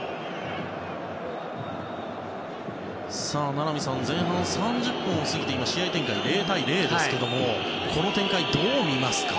名波さん、前半３０分を過ぎて試合展開０対０ですけれどもこの展開、どう見ますか？